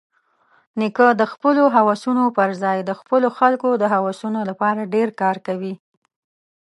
نیکه د خپلو هوسونو پرځای د خپلو خلکو د هوسونو لپاره ډېر کار کوي.